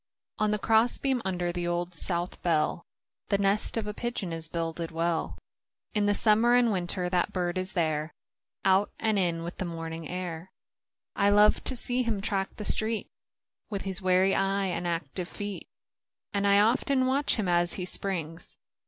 On the cross beam under the Old South bell The nest of a pigeon is builded well. B I li (88) In summer and winter that bird is there, Out and in with the morning air : I love to see him track the street, Witli his wary eye and active feet ; And 1 often watch him as he springs.